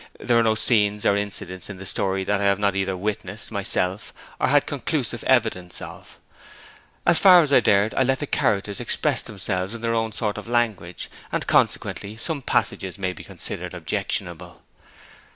There are no scenes or incidents in the story that I have not either witnessed myself or had conclusive evidence of. As far as I dared I let the characters express themselves in their own sort of language and consequently some passages may be considered objectionable.